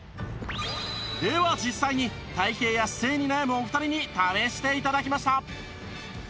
では実際に体形や姿勢に悩むお二人に試して頂きました